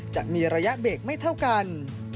จะมีระยะเบรกไม่เท่ากัน